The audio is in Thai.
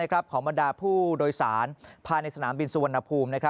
ของบรรดาผู้โดยสารภายในสนามบินสุวรรณภูมิ